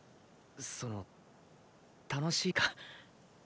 その楽しいか？